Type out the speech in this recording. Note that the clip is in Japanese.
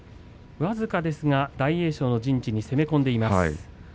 僅かですが大栄翔の陣地に攻め込んでいます。